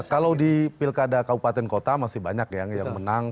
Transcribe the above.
kalau di pilkada kabupaten kota masih banyak yang menang